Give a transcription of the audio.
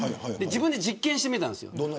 自分で実験してみたんです。